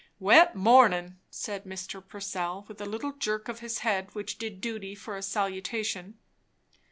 "Wet mornin'!" said Mr. Purcell, with a little jerk of his head which did duty for a salutation.